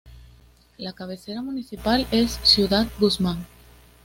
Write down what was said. La cabecera municipal es Ciudad Guzmán.